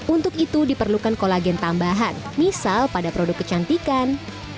untuk itu diperlukan kolagen tambahan misal pada produk kecantikan